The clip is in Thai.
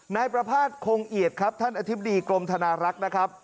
นายประภาษณ์คงเอียดครับท่านอธิบดีกรมธนารักษ์นะครับ